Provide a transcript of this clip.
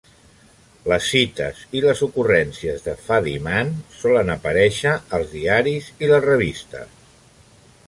Les cites i les ocurrències de Fadiman solen aparèixer als diaris i les revistes.